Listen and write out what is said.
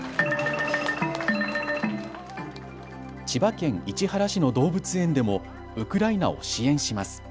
千葉県市原市の動物園でもウクライナを支援します。